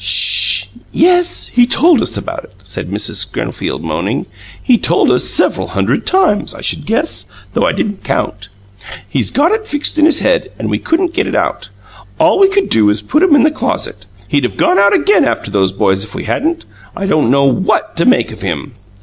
"SH! Yes; he told us about it," said Mrs. Schofield, moaning. "He told us several hundred times, I should guess, though I didn't count. He's got it fixed in his head, and we couldn't get it out. All we could do was to put him in the closet. He'd have gone out again after those boys if we hadn't. I don't know WHAT to make of him!"